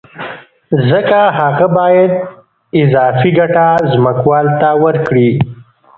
ځکه هغه باید اضافي ګټه ځمکوال ته ورکړي